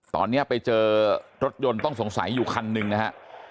ตอนนี้ไปเจอรถยนต์ต้องสงสัยอยู่คันหนึ่งนะฮะ